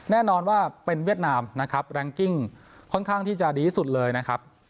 แน่นอนว่าเป็นเวียดนามนะครับแรงกิ้งค่อนข้างที่จะดีที่สุดเลยนะครับ